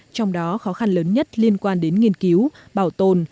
trong đó khó khăn lớn nhất liên quan đến nghiên cứu bảo tồn